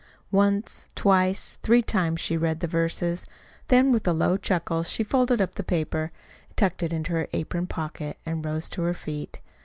Once, twice, three times she read the verses; then with a low chuckle she folded up the paper, tucked it into her apron pocket, and rose to her feet.